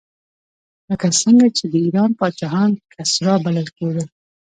لکه څنګه چې د ایران پاچاهان کسرا بلل کېدل.